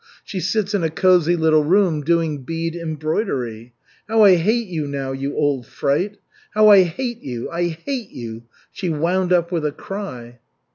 She sits in a cosy little room doing bead embroidery. How I hate you now, you old fright; How I hate you, I hate you!" she wound up with a cry.